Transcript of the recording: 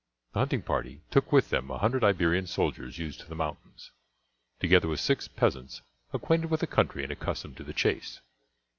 The hunting party took with them a hundred Iberian soldiers used to the mountains, together with six peasants acquainted with the country and accustomed to the chase.